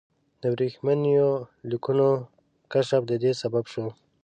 د ورېښمینو لیکونو کشف د دې سبب شو.